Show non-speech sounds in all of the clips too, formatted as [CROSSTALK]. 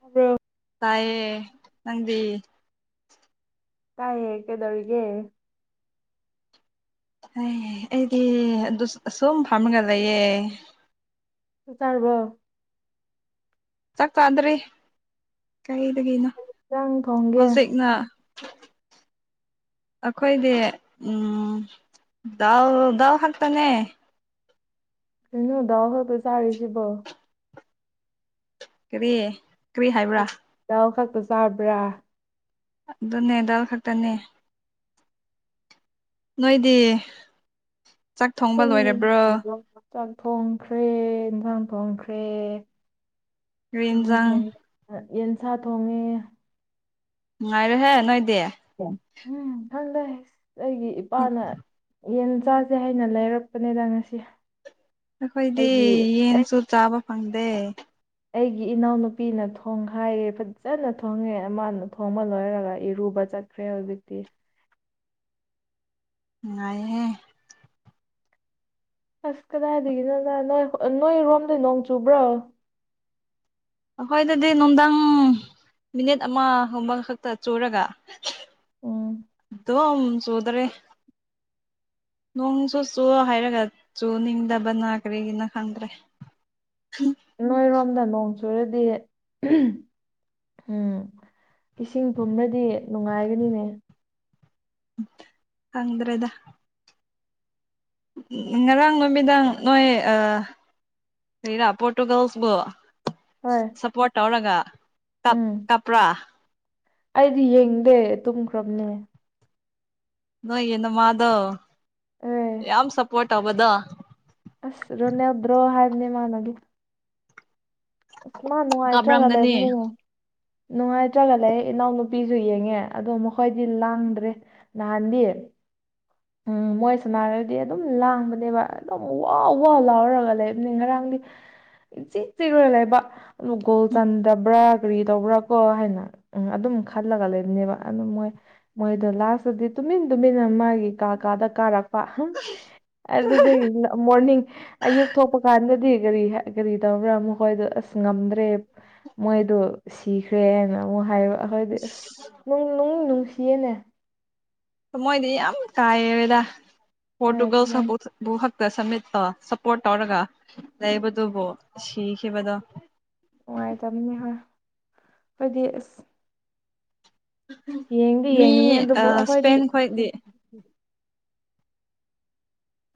ꯇꯕ꯭ꯔꯣ ꯇꯥꯏꯌꯦ ꯅꯪꯗꯤ ꯇꯥꯏꯌꯦ ꯀꯦꯗꯧꯔꯤꯒꯦ ꯍꯦ ꯑꯩꯗꯤ ꯑꯗꯨ ꯑꯁꯨꯝ ꯐꯝꯔꯒ ꯂꯩꯌꯦ ꯆꯛ ꯆꯔꯕꯣ ꯆꯥꯛ ꯆꯥꯗꯔꯤ ꯀꯔꯤꯗꯒꯤꯅꯣ [UNINTELLIGIBLE] ꯊꯣꯡꯒꯦ ꯉꯥ ꯑꯈꯣꯏꯗꯤ ꯎꯝ ꯗꯥꯜ ꯗꯥꯜ ꯈꯛꯇꯅꯦ ꯀꯩꯅꯣ ꯗꯥꯜ ꯈꯛꯇ ꯆꯥꯔꯤꯁꯤꯕꯣ ꯀꯔꯤ ꯀꯔꯤ ꯍꯥꯏꯕ꯭ꯔꯥ ꯗꯥꯜ ꯈꯛꯇ ꯆꯥꯕ꯭ꯔꯥ ꯑꯗꯨꯅꯦ ꯗꯥꯜ ꯈꯛꯇꯅꯦ ꯅꯣꯏꯗꯤ ꯆꯛ ꯊꯣꯡꯕ ꯂꯣꯏꯔꯕ꯭ꯔꯣ ꯆꯥꯛ ꯊꯣꯡꯈ꯭ꯔꯦ ꯏꯟꯖꯥꯡ ꯊꯣꯡꯈ꯭ꯔꯦ ꯀꯩꯅꯣ ꯊꯣꯡ ꯌꯦꯟꯁꯥ ꯊꯣꯡꯉꯦ ꯅꯨꯡꯉꯥꯏꯔꯦꯍꯦ ꯅꯣꯏꯗꯦ ꯎꯝ ꯈꯪꯗꯦ ꯑꯩꯒꯤ ꯏꯄꯥꯅ ꯌꯦꯟ ꯆꯥꯁꯦ ꯍꯥꯏꯅ ꯂꯩꯔꯛꯄꯅꯦꯗ ꯉꯁꯤ ꯑꯩꯈꯣꯏꯗꯤ ꯌꯦꯟꯁꯨ ꯆꯥꯕ ꯐꯪꯗꯦ ꯑꯩꯒꯤ ꯏꯅꯥꯎꯅꯨꯄꯤꯅ ꯊꯣꯡ ꯈꯥꯏꯔꯦ ꯐꯥꯖꯅ ꯊꯣꯡꯉꯦ ꯑꯃꯥꯅ ꯊꯣꯡꯕ ꯂꯣꯏꯔꯒ ꯏꯔꯨꯕ ꯆꯠ ꯈ꯭ꯔꯦ ꯍꯧꯖꯤꯛꯇꯤ ꯅꯨꯡꯉꯥꯏꯍꯦ ꯑꯁ ꯀꯗꯥꯏꯗꯒꯤꯅꯣꯗ ꯅꯣꯏ ꯍꯣ ꯅꯣꯏꯔꯣꯝꯗ ꯅꯣꯡ ꯆꯨꯕ꯭ꯔꯣ ꯑꯈꯣꯏꯗꯗꯤ ꯅꯨꯡꯗꯥꯡ ꯃꯤꯅꯤꯠ ꯑꯃ ꯍꯧꯝꯃ ꯈꯛꯇ ꯆꯨꯔꯒ ꯗꯣꯝ ꯆꯨꯗꯔꯦ ꯅꯣꯡꯁꯨ ꯆꯨ ꯍꯥꯏꯔꯒ ꯆꯨꯅꯤꯡꯗꯕꯅ ꯀꯔꯤꯒꯤꯅ ꯈꯪꯗ꯭ꯔꯦ ꯅꯣꯏꯔꯣꯝꯗ ꯅꯣꯡ ꯆꯨꯔꯗꯤ ꯍꯝ ꯏꯁꯤꯡ ꯄꯨꯝꯔꯗꯤ ꯅꯨꯡꯉꯥꯏꯒꯅꯤꯅꯦ ꯎꯝ ꯈꯪꯗ꯭ꯔꯦꯗ ꯉꯔꯥꯡ ꯅꯨꯃꯤꯗꯥꯡ ꯅꯣꯏ ꯑ ꯀꯔꯤꯔꯥ ꯄꯣꯔꯇꯨꯒꯜꯁꯕꯣ ꯁꯞꯄꯣꯠ ꯇꯧꯔꯒ ꯇꯞ ꯇꯞꯄ꯭ꯔꯥ ꯑꯩꯗꯤ ꯌꯦꯡꯗꯦ ꯇꯨꯝꯈ꯭ꯔꯕꯅꯦ ꯅꯣꯏꯒꯤ ꯅꯃꯥꯗꯣ ꯌꯥꯝ ꯁꯞꯄꯣꯔꯠ ꯇꯧꯕꯗꯣ ꯑꯁ ꯔꯣꯅꯦꯜꯗ꯭ꯔꯣ ꯍꯥꯏꯕꯅꯤ ꯃꯥꯅꯒꯤ ꯑꯁ ꯃꯥ ꯅꯨꯡꯉꯥꯏꯇ꯭ꯔꯒ ꯂꯩꯕꯅꯤꯉꯣ ꯅꯨꯡꯉꯥꯏꯇ꯭ꯔꯒ ꯂꯩꯌꯦ ꯏꯅꯥꯎꯅꯨꯄꯤꯁꯨ ꯌꯦꯡꯉꯦ ꯑꯗꯣ ꯃꯈꯣꯏꯗꯤ ꯂꯥꯡꯗ꯭ꯔꯦ ꯅꯍꯥꯟꯗꯤ ꯎꯝ ꯃꯣꯏ ꯁꯅꯥꯔꯗꯤ ꯑꯗꯨꯝ ꯂꯥꯡꯕꯅꯦꯕ ꯑꯗꯨꯝ ꯋꯥ ꯋꯥ ꯂꯥꯎꯔꯒ ꯂꯩꯕꯅꯦ ꯉꯔꯥꯡꯗꯤ ꯏꯆꯤꯛ ꯆꯤꯛꯔꯒ ꯂꯩꯕ ꯑꯗꯨ ꯒꯣꯜ ꯆꯟꯗꯕ꯭ꯔꯥ ꯀꯔꯤ ꯇꯧꯕ꯭ꯔꯥ ꯀꯣ ꯍꯥꯏꯅ ꯎꯝ ꯑꯗꯨꯝ ꯈꯜꯂꯒ ꯂꯩꯕꯅꯦꯕ ꯑꯗꯨ ꯃꯣꯏ ꯃꯣꯏꯗꯣ ꯂꯥꯁꯇꯗꯤ ꯇꯨꯃꯤꯟ ꯇꯨꯃꯤꯟꯅ ꯃꯥꯒꯤ ꯀꯥ ꯀꯥꯗ ꯀꯔꯛ ꯄ ꯑꯗꯨꯗꯩ ꯃꯣꯔꯅꯤꯡ ꯑꯌꯨꯛ ꯊꯣꯛꯄ ꯀꯥꯟꯗꯗꯤ ꯀꯔꯤꯍ ꯀꯔꯤ ꯊꯧꯕ꯭ꯔꯥ ꯃꯈꯣꯏꯗꯣ ꯑꯁ ꯉꯝꯗ꯭ꯔꯦ ꯃꯣꯏꯗꯣ ꯁꯤꯈ꯭ꯔꯦꯅ ꯑꯃꯨꯛ ꯍꯥꯏꯌ ꯑꯩꯈꯣꯏꯗꯤ ꯑꯁ ꯅꯣꯡ ꯅꯨꯡꯁꯤꯌꯦꯅꯦ ꯃꯣꯏꯗꯤ ꯌꯥꯝ ꯀꯥꯏꯌꯦꯗ ꯄꯣꯔꯇꯨꯒꯜꯁꯞꯄꯣꯠ ꯕꯨ ꯍꯛꯇ ꯁꯝꯃꯤꯠꯇ ꯇꯣ ꯁꯞꯄꯣꯔꯠ ꯇꯧꯔꯒ ꯂꯩꯕꯗꯨꯕꯨ ꯁꯤꯈꯤꯕꯗꯣ ꯅꯨꯡꯉꯥꯏꯇꯕꯅꯤ ꯍꯣꯏ ꯑꯩꯈꯣꯏꯗꯤ ꯑꯁ ꯌꯦꯡꯗꯤ ꯌꯦꯡꯅꯤꯡꯉꯦ ꯑꯗꯨꯕꯨ ꯑꯩꯈꯣꯏꯗꯤ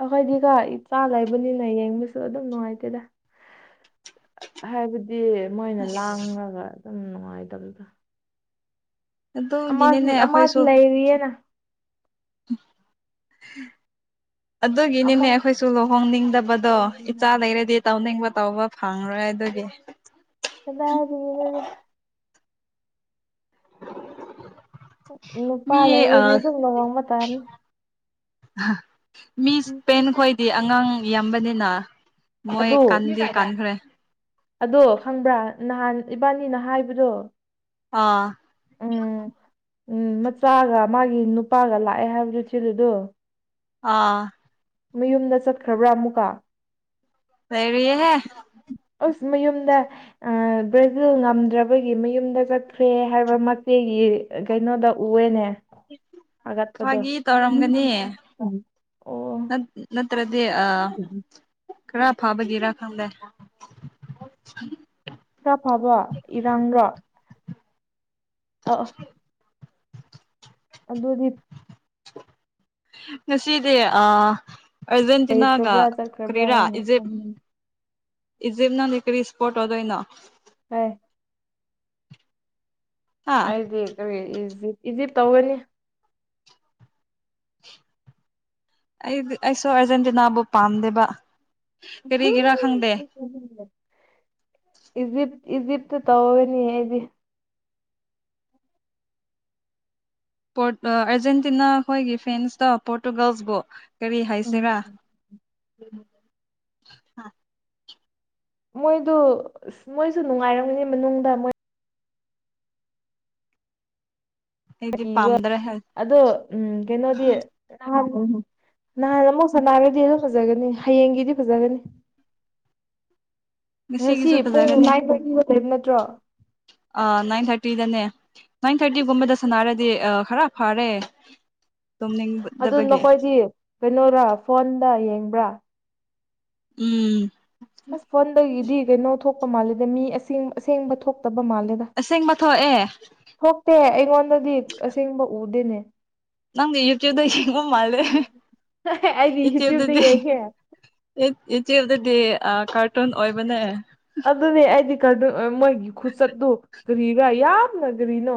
ꯑꯩꯈꯣꯏꯗꯤꯀꯣ ꯏꯆꯥ ꯂꯩꯕꯅꯤꯅ ꯌꯦꯡꯕꯁꯨ ꯑꯗꯨꯝ ꯅꯨꯡꯉꯥꯏꯇꯦꯗ ꯍꯥꯏꯕꯗꯤ ꯃꯣꯏꯅ ꯂꯥꯡꯉꯒ ꯑꯗꯨꯝ ꯅꯨꯡꯉꯥꯏꯇꯕꯗꯣ ꯑꯗꯨꯒꯤ ꯅꯦꯅꯦ ꯑꯩꯈꯣꯏꯁꯨ ꯑꯗꯨꯒꯤꯅꯤꯅꯦ ꯑꯩꯈꯣꯏꯁꯨ ꯂꯨꯍꯣꯡꯅꯤꯡꯗꯕꯗꯣ ꯏꯆꯥ ꯂꯩꯔꯗꯤ ꯇꯧꯅꯤꯡꯕ ꯇꯧꯕ ꯐꯪꯉꯔꯣꯏ ꯑꯗꯨꯒꯤ [UNINTELLIGIBLE] ꯅꯨꯄꯥ ꯂꯩꯔꯗꯤ ꯑꯗꯨꯝ ꯂꯍꯣꯛꯕ ꯇꯕꯅꯤ ꯃꯤ ꯏꯁꯄꯦꯟ ꯈꯣꯏꯗꯤ ꯑꯉꯥꯡ ꯌꯥꯝꯕꯅꯤꯅ ꯃꯣꯏ ꯀꯥꯟꯗꯤ ꯀꯥꯟꯈꯔꯦ ꯑꯗꯣ ꯈꯪꯕ꯭ꯔꯥ ꯅꯍꯥꯟ ꯏꯕꯥꯅꯤꯅ ꯍꯥꯏꯕꯗꯣ ꯑꯥ ꯎꯝ ꯎꯝ ꯃꯆꯥꯒ ꯃꯥꯒꯤ ꯅꯨꯄꯥꯒ ꯂꯥꯛꯑꯦ ꯍꯥꯏꯕꯗꯨ ꯊꯤꯜꯂꯨꯗꯣ ꯑꯥ ꯃꯌꯨꯝꯗ ꯆꯠꯈ꯭ꯔꯕ꯭ꯔꯥ ꯑꯃꯨꯛꯀ ꯂꯩꯔꯤꯌꯦꯍꯦ ꯑꯁ ꯃꯌꯨꯝꯗ ꯕ꯭ꯔꯥꯖꯤꯜ ꯉꯝꯗ꯭ꯔꯕꯒꯤ ꯃꯌꯨꯝꯗ ꯆꯠꯈ꯭ꯔꯦ ꯍꯥꯏꯕ ꯃꯥꯆꯦꯒꯤ ꯀꯩꯅꯣꯗ ꯎꯑꯦꯅꯦ ꯍꯥꯒꯠꯄꯗꯣ ꯑꯣ ꯅꯠꯇ꯭ꯔꯗꯤ ꯑ ꯈꯔ ꯐꯥꯕꯒꯤꯔꯥ ꯈꯪꯗꯦ ꯈꯔ ꯐꯕ꯭ꯔ ꯏꯔꯥꯡꯔꯣ ꯑꯥ ꯑꯣ ꯑꯗꯨꯗꯤ ꯉꯁꯤꯗꯤ ꯑ ꯑꯔꯖꯦꯟꯇꯤꯅꯥꯒ ꯀꯔꯤꯔꯥ ꯏꯖꯤꯞ ꯏꯖꯤꯞ ꯅꯪꯅꯤ ꯀꯔꯤ ꯁꯞꯄꯣꯠ ꯇꯧꯗꯣꯏꯅꯣ ꯍꯥ ꯑꯩꯗꯤ ꯀꯔꯤ ꯏꯖꯤꯞ ꯏꯖꯤꯞ ꯇꯧꯒꯅꯤ ꯑꯩꯗꯤ ꯑꯩꯁꯨ ꯑꯥꯔꯖꯦꯟꯇꯤꯅꯥꯕꯨ ꯄꯥꯝꯗꯦꯕ [UNINTELLIGIBLE] ꯏꯖꯤꯞ ꯏꯖꯤꯞꯇꯨ ꯇꯧꯔꯅꯤ ꯑꯩꯗꯤ ꯄꯣꯠ ꯑ ꯑꯥꯔꯖꯦꯟꯇꯤꯅꯥ ꯍꯣꯏꯒꯤ ꯐ꯭ꯔꯦꯟꯁꯇ ꯄꯣꯔꯇꯨꯒꯜꯁꯕꯨ ꯀꯔꯤ ꯍꯥꯏꯁꯤꯔꯥ ꯃꯣꯏꯗꯨ ꯑꯁ ꯃꯣꯏꯖꯨ ꯅꯨꯡꯉꯥꯏꯔꯝꯒꯤ ꯃꯅꯨꯡꯗ ꯃꯣꯏ [UNINTELLIGIBLE] ꯑꯗꯣ ꯎꯝ ꯀꯩꯅꯣꯗꯤ [UNINTELLIGIBLE] ꯅꯍꯥꯟ ꯑꯃꯨꯛ ꯁꯅꯥꯏꯔꯗꯤ ꯑꯗꯨ ꯐꯖꯒꯅꯤ ꯍꯌꯦꯡꯒꯤꯗꯤ ꯐꯖꯒꯅꯤ ꯉꯁꯤ ꯄꯨꯡ ꯅꯥꯏꯟ ꯊꯥꯔꯇꯤꯗ ꯑꯣꯏꯕ ꯅꯠꯇ꯭ꯔꯣ ꯑ ꯅꯥꯏꯟ ꯊꯥꯔꯇꯤꯗꯅꯦ ꯅꯥꯏꯟ ꯊꯥꯔꯇꯤꯒꯨꯝꯕꯗ ꯁꯥꯟꯅꯔꯗꯤ ꯑ ꯈꯔ ꯐꯔꯦ ꯇꯝꯅꯤꯡ ꯑꯗꯣ ꯅꯈꯣꯏꯗꯤ ꯀꯩꯅꯣꯔꯥ ꯐꯣꯟꯗ ꯌꯦꯡꯕ꯭ꯔꯥ ꯎꯝ ꯑꯁ ꯐꯣꯟꯗꯒꯤꯗꯤ ꯀꯩꯅꯣ ꯊꯣꯛꯄ ꯃꯥꯜꯂꯦꯗ ꯃꯤ ꯑꯁꯦꯡ ꯑꯁꯦꯡꯕ ꯊꯣꯛꯇꯕ ꯃꯥꯜꯂꯦꯗ ꯑꯁꯦꯡꯕ ꯊꯣꯛꯑꯦ ꯊꯣꯛꯇꯦ ꯑꯩꯉꯣꯟꯗꯗꯤ ꯑꯁꯦꯡꯕ ꯎꯗꯦꯅꯦ ꯅꯪꯗꯤ ꯌꯨꯇꯨꯕꯗ ꯌꯦꯡꯕ ꯃꯥꯜꯗꯦ ꯌꯨꯇꯨꯕꯗꯗꯤ ꯌꯨꯠ ꯌꯨꯇꯨꯕ ꯗꯗꯤ ꯑ ꯀꯥꯔꯇꯨꯟ ꯑꯣꯏꯕꯅꯦ ꯑꯗꯨꯅꯦ ꯑꯩꯗꯤ ꯀꯔꯇꯨꯟ ꯑꯣꯏ ꯃꯣꯏꯒꯤ ꯈꯨꯆꯠꯇꯣ ꯀꯔꯤꯔ ꯌꯥꯝꯅ ꯀꯔꯤꯅꯣ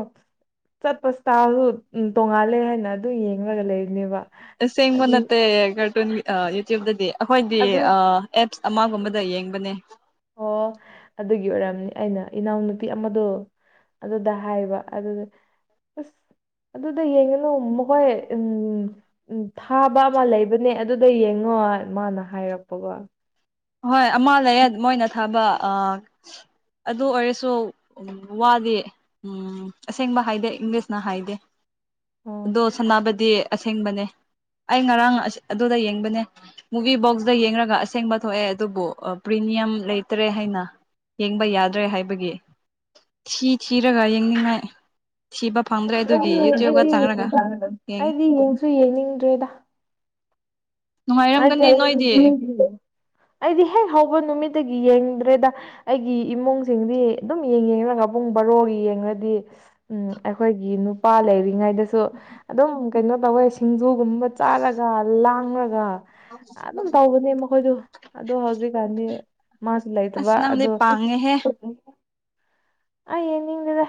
ꯆꯠꯄ ꯁ꯭ꯇꯥꯥꯏꯜꯖꯨ ꯎꯝ ꯇꯣꯡꯉꯥꯜꯂꯦ ꯍꯥꯏꯅ ꯑꯗꯨ ꯌꯦꯡꯂꯒ ꯂꯩꯕꯅꯦꯕ ꯑꯁꯦꯡꯕ ꯅꯠꯇꯦ ꯀꯥꯔꯇꯨꯟ ꯑ ꯌꯨꯇ꯭ꯌꯨꯕꯇꯗꯤ ꯑꯩꯈꯣꯏꯗꯤ ꯑ ꯑꯦꯞꯁ ꯑꯃꯒꯨꯝꯕꯗ ꯌꯦꯡꯕꯅꯦ ꯑꯣ ꯑꯗꯨꯒꯤ ꯑꯣꯏꯔꯝꯅꯤ ꯑꯩꯅ ꯏꯅꯥꯎꯅꯨꯄꯤ ꯑꯃꯗꯣ ꯑꯗꯨꯗ ꯍꯥꯏꯕ ꯑꯗꯨꯗ ꯑꯁ ꯑꯗꯨꯗ ꯌꯦꯡꯉꯅꯨ ꯃꯈꯣꯏ ꯎꯝ ꯎꯝ ꯊꯥꯕ ꯑꯃ ꯂꯩꯕꯅꯦ ꯑꯗꯨꯗ ꯌꯦꯡꯉꯣ ꯃꯥꯅ ꯍꯥꯏꯔꯛꯄꯒꯣ ꯍꯣꯏ ꯑꯃ ꯂꯩꯌꯦ ꯃꯣꯏꯅ ꯊꯥꯕ ꯑ ꯑꯗꯨ ꯑꯣꯏꯔꯁꯨ ꯋꯥꯗꯤ ꯎꯝ ꯑꯁꯦꯡꯕ ꯍꯥꯏꯗꯦ ꯏꯪꯂꯤꯁꯅ ꯍꯥꯏꯗꯦ ꯑꯗꯣ ꯁꯅꯥꯕꯗꯤ ꯑꯁꯦꯡꯕꯅꯦ ꯑꯩ ꯉꯔꯥꯡ ꯑꯁ ꯑꯗꯨꯗ ꯌꯦꯡꯕꯅꯦ ꯃꯨꯚꯤ ꯕꯣꯛꯁꯇ ꯌꯦꯡꯔꯒ ꯑꯁꯦꯡꯕ ꯊꯣꯛꯑꯦ ꯑꯗꯨꯕꯨ ꯄ꯭ꯔꯤꯃꯤꯌꯝ ꯂꯩꯇ꯭ꯔꯦ ꯍꯥꯏꯅ ꯌꯦꯡꯕ ꯌꯥꯗ꯭ꯔꯦ ꯍꯥꯏꯕꯒꯤ ꯊꯤ ꯊꯤꯔꯒ ꯌꯦꯡꯅꯤꯡꯉꯥꯏ ꯊꯤꯕ [UNINTELLIGIBLE] ꯑꯩꯗꯤ ꯌꯦꯡꯁꯨ ꯌꯦꯡꯅꯤꯡꯗ꯭ꯔꯦꯗ [UNINTELLIGIBLE] ꯑꯩꯗꯤ ꯍꯦꯛ ꯍꯧꯕ ꯅꯨꯃꯤꯠꯇꯒꯤ ꯌꯦꯡꯗ꯭ꯔꯦꯗ ꯑꯩꯒꯤ ꯏꯃꯨꯡꯁꯤꯡꯗꯤ ꯑꯗꯨꯝ ꯌꯦꯡ ꯌꯦꯡꯂꯒ ꯄꯨꯡ ꯕꯣꯔꯣꯒꯤ ꯌꯦꯡꯔꯗꯤ ꯎꯝ ꯑꯩꯈꯣꯏꯒꯤ ꯅꯨꯄꯥ ꯂꯩꯔꯤꯉꯩꯗꯁꯨ ꯑꯗꯨꯝ ꯀꯩꯅꯣ ꯇꯧꯋꯦ ꯁꯤꯡꯖꯨꯒꯨꯝꯕ ꯆꯥꯔꯒ ꯂꯥꯡꯉꯒ ꯑꯗꯨꯝ ꯇꯧꯕꯅꯦ ꯃꯈꯣꯏꯗꯣ ꯑꯗꯣ ꯍꯧꯖꯤꯛꯀꯥꯟꯗꯤ ꯃꯥꯁꯨ ꯂꯩꯇꯕ ꯑꯗꯣ ꯉꯦꯍꯦ ꯑꯩ ꯌꯦꯡꯅꯤꯡꯗꯦꯗ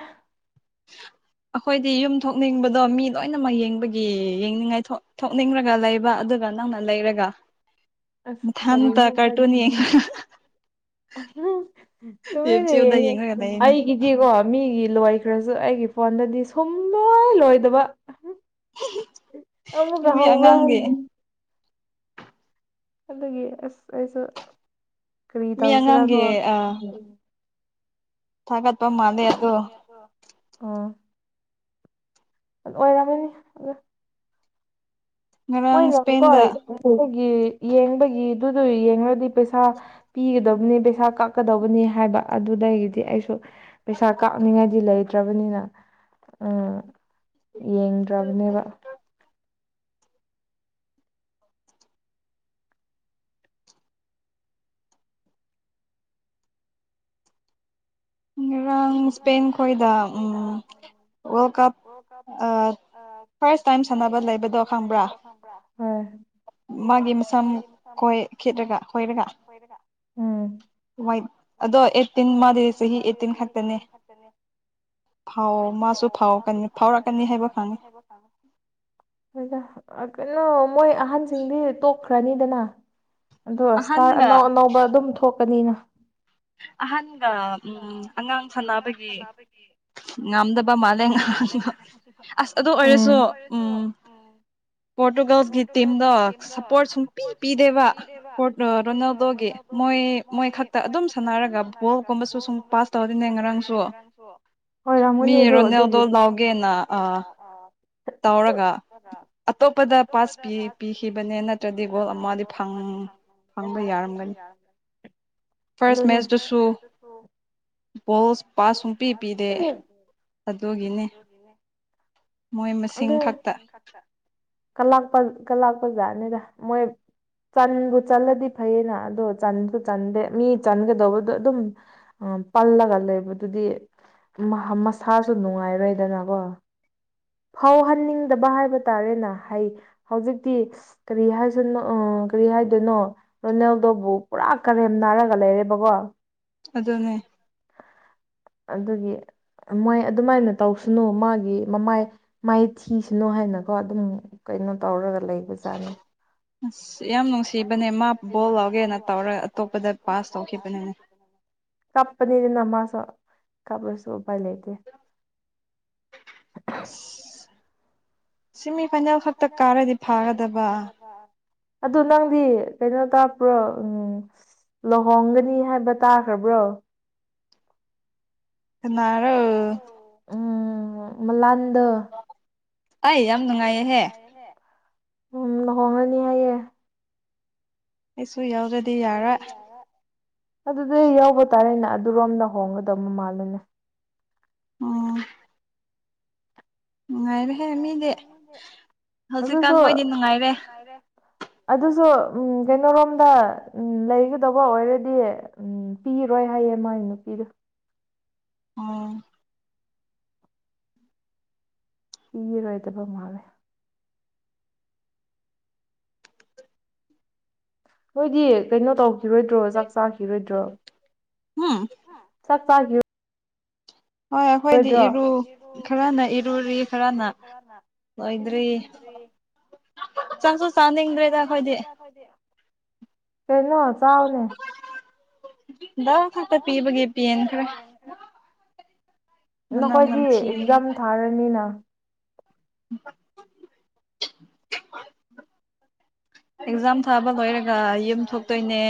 [INAUDIBLE] ꯑꯩꯈꯣꯏꯗꯤ ꯌꯨꯝ ꯊꯣꯛꯅꯤꯡꯕꯗꯣ ꯃꯤ ꯂꯣꯏꯅꯃꯛ ꯌꯦꯡꯕꯒꯤ ꯌꯦꯡꯅꯤꯡꯉꯥꯏ ꯊꯣꯛꯅꯤꯡꯔꯒ ꯂꯩꯕ ꯑꯗꯨ ꯅꯪꯅ ꯂꯩꯔꯒ ꯃꯊꯪꯇ ꯀꯥꯔꯇꯨꯟ ꯌꯦꯡꯉꯒ ꯇꯨꯃꯤꯟꯅ [UNINTELLIGIBLE] ꯑꯩꯒꯤꯗꯤ ꯀꯣ ꯃꯤꯒꯤ ꯂꯣꯏꯈ꯭ꯔꯁꯨ ꯑꯩꯒꯤ ꯐꯣꯟꯗꯗꯤ ꯁꯨꯝ ꯂꯣꯏ ꯂꯣꯏꯗꯕ ꯑꯃꯨꯛꯀ ꯍꯧꯕ꯭ꯔꯥ ꯍꯧꯗꯦ ꯑꯗꯨꯒꯤ ꯑꯁ ꯑꯩꯁꯨ ꯀꯔꯤ ꯇꯧꯁꯤꯔꯀꯣ ꯊꯥꯒꯠꯄ ꯃꯥꯜꯂꯦ ꯑꯗꯣ ꯎꯝ ꯂꯣꯏꯔꯕꯅꯤ ꯑꯗꯨꯒ ꯃꯣꯏꯅ ꯀꯣ ꯑꯗꯨꯒꯤ ꯌꯦꯡꯕꯒꯤꯗꯨꯗꯤ ꯌꯦꯡꯉꯗꯤ ꯄꯩꯁꯥ ꯄꯤꯒꯗꯕꯅꯤ ꯄꯩꯁꯥ ꯀꯛꯀꯗꯕꯅꯤ ꯍꯥꯏꯕ ꯑꯗꯨꯗꯒꯤꯗꯤ ꯑꯩꯁꯨ ꯄꯩꯁꯥ ꯀꯥꯞꯅꯤꯡꯉꯥꯏꯗꯤ ꯂꯩꯇ꯭ꯔꯕꯅꯤꯅ ꯎꯝ ꯌꯦꯡꯗ꯭ꯔꯕꯅꯦꯕ ꯉꯔꯥꯡ ꯏꯁꯄꯦꯟ ꯈꯣꯏꯗ ꯋꯥꯔꯜ ꯀꯞ ꯐꯥꯔ ꯇꯥꯏꯝ ꯁꯥꯅꯕ ꯂꯩꯕꯗꯣ ꯈꯪꯕ꯭ꯔꯥ ꯃꯥꯒꯤ ꯃꯁꯛ ꯃꯥꯒꯤ ꯃꯁꯝ ꯈꯣꯏ ꯈꯦꯠꯔꯒ ꯈꯣꯏꯔꯒ ꯎꯝ ꯍꯣꯏ ꯑꯗꯣ ꯑꯦꯠꯇꯤꯟ ꯃꯥꯗꯤꯗꯤ ꯆꯍꯤ ꯑꯦꯠꯇꯤꯟ ꯈꯛꯇꯅꯦ ꯐꯥꯎ ꯃꯥꯁꯨ ꯐꯥꯎꯔꯛꯀꯅꯤ ꯐꯥꯎꯔꯛꯀꯅꯤ ꯍꯥꯏꯕ ꯈꯪꯉꯤ [UNINTELLIGIBLE] ꯍꯣꯏꯗ ꯀꯩꯅꯣ ꯃꯣꯏ ꯑꯍꯟꯁꯤꯡꯗꯤ ꯇꯣꯛꯈ꯭ꯔꯅꯤꯗꯅ ꯑꯗꯣ ꯁ꯭ꯇꯥꯔ ꯑꯅꯧ ꯑꯅꯧꯕ ꯑꯗꯨꯝ ꯊꯣꯛꯀꯅꯤꯅ ꯑꯍꯟꯒ ꯎꯝ ꯑꯉꯥꯡ ꯁꯥꯟꯅꯕꯒꯤ ꯉꯥꯝꯗꯕ ꯃꯥꯜꯂꯦ ꯑꯁ ꯑꯗꯨ ꯑꯣꯏꯔꯁꯨ ꯎꯝ ꯄꯣꯔꯇꯨꯒꯜꯒꯤ ꯇꯤꯝꯗ ꯁꯄꯣꯔꯠ ꯁꯨꯛ ꯄꯤ ꯄꯤꯗꯦꯕ ꯔꯣꯅꯥꯜꯗꯣꯒꯤ ꯃꯣꯏ ꯃꯣꯏ ꯈꯛꯇ ꯑꯗꯨꯝ ꯁꯥꯟꯅꯔꯒ ꯕꯣꯜꯒꯨꯝꯕ ꯕꯣꯜꯒꯨꯝꯕꯖꯨ ꯄꯥꯁ ꯇꯧꯗꯦꯅꯦ ꯉꯔꯥꯡꯁꯨ ꯑꯣꯏꯔꯝꯒꯅꯤ ꯑꯗꯨ ꯑꯗꯨꯒꯤ ꯔꯣꯅꯥꯜꯗꯣ ꯌꯥꯎꯗꯦꯅ ꯑꯥ ꯇꯧꯔꯒ ꯑꯇꯣꯞꯄꯗ ꯄꯥꯁ ꯄꯤ ꯄꯤꯈꯤꯕꯅꯦ ꯅꯠꯇ꯭ꯔꯗꯤ ꯒꯣꯜ ꯑꯃꯗꯤ ꯐꯪ ꯈꯪꯕ ꯌꯥꯔꯝꯒꯅꯤ ꯐꯥꯔꯁ ꯃꯦꯠꯁꯇꯨꯁꯨ ꯕꯣꯜ ꯄꯥꯁ ꯁꯨꯡꯄꯤ ꯄꯤꯗꯦ ꯑꯗꯨꯒꯤꯅꯤ ꯑꯗꯨ ꯀꯂꯛ ꯀꯂꯛꯄꯖꯥꯠꯅꯤꯗ ꯃꯣꯏ ꯆꯟꯕꯨ ꯆꯜꯂꯗꯤ ꯐꯩꯌꯦꯅ ꯑꯗꯣ ꯆꯟꯁꯨ ꯆꯟꯗꯦ ꯃꯤ ꯆꯟꯒꯗꯧꯕꯗꯣ ꯑꯗꯨꯝ ꯎꯝ ꯄꯜꯂꯒ ꯂꯩꯕꯗꯨꯗꯤ ꯃꯁꯥꯁꯨ ꯅꯨꯡꯉꯥꯏꯔꯣꯏꯗꯅꯀꯣ ꯐꯥꯎꯍꯟꯅꯤꯡꯗꯕ ꯍꯥꯏꯕ ꯇꯥꯔꯦꯅ ꯍꯩ ꯍꯧꯖꯤꯛꯇꯤ ꯀꯔꯤ ꯍꯥꯏꯁꯤꯅꯣ ꯎꯝ ꯀꯔꯤ ꯍꯥꯏꯗꯣꯏꯅꯣ ꯔꯣꯅꯦꯜꯗꯣꯕꯨ ꯄꯨꯔꯥ ꯀꯔꯦꯝ ꯅꯥꯔꯒ ꯂꯩꯔꯦꯕꯀꯣ ꯑꯗꯨꯅꯦ ꯑꯗꯨꯒꯤ ꯃꯣꯏ ꯑꯗꯨꯃꯥꯏꯅ ꯇꯧꯁꯅꯨ ꯃꯥꯒꯤ ꯃꯃꯥꯏ ꯃꯥꯏꯊꯤꯁꯤꯅꯨ ꯍꯥꯏꯅꯀꯣ ꯑꯗꯨꯝ ꯀꯩꯅꯣ ꯇꯧꯔꯒ ꯂꯩꯕꯖꯥꯠꯅꯤ ꯑꯁ ꯌꯥꯝ ꯅꯨꯡꯁꯤꯕꯅꯦ ꯃꯥ ꯕꯣꯜ ꯋꯥꯒꯦꯅ ꯇꯧꯔꯒ ꯑꯇꯣꯞꯄꯗ ꯄꯥꯁ ꯇꯧꯈꯤꯕꯅꯦꯅꯦ ꯀꯥꯞꯄꯅꯤꯅꯦ ꯃꯥꯁꯨ ꯀꯥꯞꯂꯁꯨ ꯎꯄꯥꯏ ꯂꯩꯇꯦ ꯁꯤꯃꯤꯐꯥꯏꯅꯦꯜ ꯈꯛꯇ ꯀꯥꯔꯗꯤ ꯐꯥꯒꯗꯕ ꯑꯗꯨ ꯅꯪꯗꯤ ꯀꯩꯅꯣ ꯇꯥꯄ꯭ꯔꯣ ꯎꯝ ꯂꯨꯍꯣꯡꯒꯅꯤ ꯍꯥꯏꯕ ꯇꯥꯈ꯭ꯔꯕ꯭ꯔꯣ ꯀꯤꯅꯔꯣ ꯎ ꯃꯤꯂꯟꯗꯣ ꯑꯩ ꯌꯥꯝ ꯑꯩ ꯌꯥꯝ ꯅꯨꯡꯉꯥꯏꯔꯦꯅꯦ ꯎꯝ ꯂꯨꯍꯣꯡꯉꯅꯤ ꯍꯥꯏꯌꯦ ꯑꯩꯁꯨ ꯌꯥꯎꯗꯗꯤ ꯌꯥꯔꯥ ꯑꯗꯨꯗꯤ ꯌꯥꯎꯕ ꯇꯥꯔꯦꯅꯦ ꯑꯗꯨꯔꯣꯝꯗ ꯍꯣꯡꯒꯗꯕ ꯃꯥꯜꯂꯦꯅꯦ ꯎ ꯅꯨꯡꯉꯥꯏꯔꯦꯍꯦ ꯃꯤꯒꯤ ꯍꯧꯖꯤꯛꯀꯥꯟ ꯃꯣꯏꯗꯤ ꯅꯨꯡꯉꯥꯏꯔꯦ [INAUDIBLE] ꯑꯗꯨꯁꯨ ꯎꯝ ꯀꯩꯅꯣꯔꯣꯝꯗ ꯂꯩꯒꯗꯕ ꯑꯣꯏꯔꯗꯤ ꯎꯝ ꯄꯤꯔꯣꯏ ꯍꯥꯏꯌꯦ ꯃꯥꯒꯤ ꯅꯨꯄꯤꯗꯣ ꯎꯝ ꯏꯔꯣꯏꯗꯕ ꯃꯥꯜꯂꯦ ꯅꯣꯏꯗꯤ ꯀꯩꯅꯣ ꯇꯧꯈꯤꯔꯣꯏꯗ꯭ꯔꯣ ꯆꯥꯛ ꯆꯥꯈꯤꯔꯣꯏꯗ꯭ꯔꯣ ꯎꯝ ꯆꯥꯛ ꯆꯥꯒꯤꯔꯣꯏ ꯍꯣꯏ ꯑꯩꯈꯣꯏꯗꯤ ꯏꯔꯨ ꯈꯔꯅ ꯏꯔꯨꯔꯤ ꯈꯔꯅ ꯂꯣꯏꯗ꯭ꯔꯤ ꯆꯥꯛꯁꯨ ꯆꯥꯅꯤꯡꯗ꯭ꯔꯦꯗ ꯑꯩꯈꯣꯏꯗꯤ ꯀꯩꯅꯣ ꯆꯥꯎꯅꯦ ꯂꯧ ꯈꯥꯛꯇ ꯄꯤꯕꯒꯤ ꯄꯦꯟ ꯈꯔꯦ ꯅꯈꯣꯏꯗꯤ ꯑꯦꯛꯖꯥꯝ ꯊꯥꯔꯅꯤꯅ ꯎꯝ [INAUDIBLE] ꯑꯦꯛꯖꯥꯝ ꯊꯥꯕ ꯂꯣꯏꯔꯒ ꯌꯨꯝ ꯊꯣꯛꯇꯣꯏꯅꯦ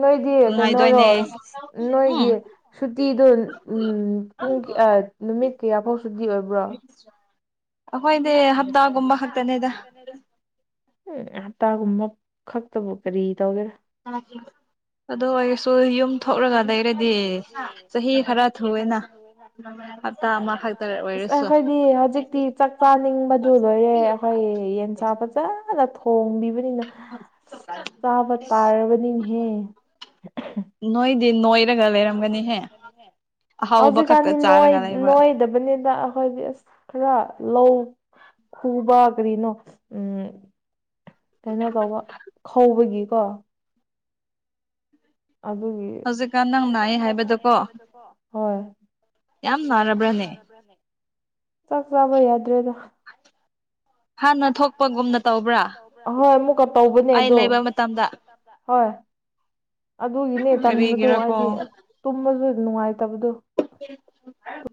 ꯅꯣꯏꯗꯤ ꯀꯩꯅꯣꯔꯣꯁ ꯅꯣꯏꯒꯤ ꯁꯨꯇꯤꯗꯣ ꯎꯝ ꯄꯨꯡ ꯅꯨꯃꯤꯠ ꯀꯌꯥ ꯐꯥꯎ ꯁꯨꯇꯤ ꯑꯣꯏꯕ ꯑꯩꯈꯣꯏꯗꯤ ꯍꯞꯇꯥꯒꯨꯝꯕ ꯈꯛꯇꯅꯦꯗ ꯍꯞꯇꯥꯒꯨꯝꯕ ꯈꯛꯇꯕꯨ ꯀꯔꯤ ꯇꯧꯒꯦꯔꯥ ꯀ [INAUDIBLE] ꯑꯗꯨ ꯑꯣꯏꯔꯁꯨ ꯌꯨꯝ ꯊꯣꯛꯂꯒ ꯂꯩꯔꯗꯤ ꯆꯍꯤ ꯈꯔ ꯊꯨꯑꯦꯅ ꯑꯁ ꯑꯩꯈꯣꯏꯗꯤ ꯍꯧꯖꯤꯛꯇꯤꯥꯛ ꯆꯥꯅꯤꯡꯕꯗꯨ ꯂꯣꯏꯔꯦ ꯑꯩꯈꯣꯏ ꯌꯦꯟꯁꯥꯡ ꯐꯖꯅ ꯊꯣꯡꯕꯤꯕꯅꯤꯅ ꯆꯥꯕ ꯇꯥꯔꯕꯅꯤꯅꯦꯍꯦ ꯅꯣꯏꯗꯤ ꯅꯣꯏꯔꯒ ꯂꯩꯔꯝꯒꯅꯤꯍꯦ ꯍꯧꯖꯤꯛꯀꯥꯟꯗꯤ ꯅꯣꯏ ꯅꯣꯏꯗꯕꯅꯤꯗ ꯑꯩꯈꯣꯏꯗꯤ ꯑꯁ ꯈꯔ ꯂꯧ ꯈꯨꯕ ꯀꯔꯤꯅꯣ ꯎꯝ ꯀꯩꯅꯣ ꯇꯧꯕ ꯈꯧꯕꯒꯤꯀꯣ ꯑꯗꯨꯅꯤ ꯍꯧꯖꯤꯛꯀꯥꯟ ꯅꯪ ꯅꯥꯏꯌꯦ ꯍꯥꯏꯕꯗꯀꯣ ꯌꯥꯝ ꯅꯥꯔꯕ꯭ꯔꯅꯦ [INAUDIBLE] ꯆꯥꯛ ꯆꯥꯕ ꯌꯥꯗ꯭ꯔꯦꯗ ꯍꯥꯟꯅ ꯑꯍꯣꯏ ꯑꯃꯨꯛꯀ ꯇꯧꯕꯅꯦ ꯑꯗꯣ ꯍꯣꯏ ꯑꯗꯨꯒꯤꯅꯦ ꯇꯟꯕꯗꯨ ꯑꯩꯒꯤ ꯇꯨꯝꯕꯁꯨ ꯅꯨꯡꯉꯥꯏꯇꯕꯗꯨ [INAUDIBLE]